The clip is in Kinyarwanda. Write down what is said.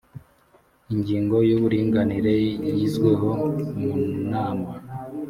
ingingo y’ uburinganire yizweho munama.